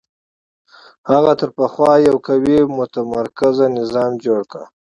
هغه تر پخوا یو قوي متمرکز نظام جوړ کړ